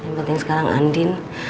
yang penting sekarang andin